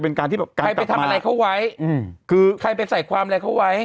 การที่แบบใครไปทำอะไรเขาไว้อืมคือใครไปใส่ความอะไรเขาไว้